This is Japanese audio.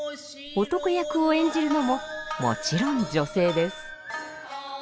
男役を演じるのももちろん女性です。